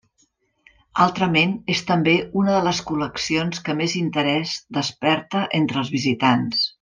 Altrament, és també una de les col·leccions que més interès desperta entre els visitants.